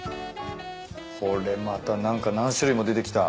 これまた何か何種類も出てきた。